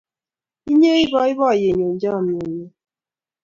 Inye ii boiboiyenyu chamyenyu